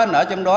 anh ở trong đó